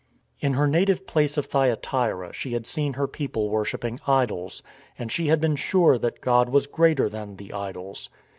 In her native place of Thyatira ' she had seen her people worshipping idols ; and she had been sure that God was greater than the idols.